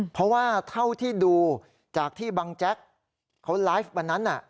เพราะว่าเท่าที่ดูจากที่บังแจ๊กเขาไลฟ์วันนั้น